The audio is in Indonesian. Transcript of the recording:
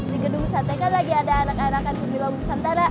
di gedung sate kan lagi ada anak anakan pemilu bukit santana